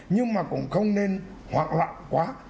nhưng mà cũng không nên hoạn loạn quá